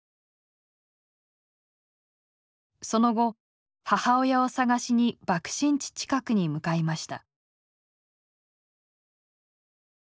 その後母親を捜しに爆心地近くに向かいました。